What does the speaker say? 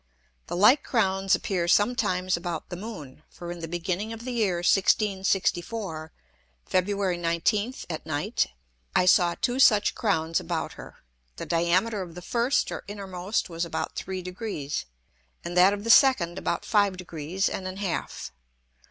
The like Crowns appear sometimes about the Moon; for in the beginning of the Year 1664, Febr. 19th at Night, I saw two such Crowns about her. The Diameter of the first or innermost was about three Degrees, and that of the second about five Degrees and an half.